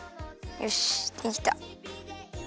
よしできた。